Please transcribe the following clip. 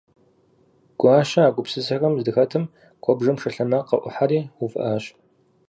Гуащэ а гупсысэхэм здыхэтым куэбжэм шы лъэмакъ къыӏухьэри увыӏащ.